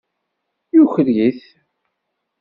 Yuker-it.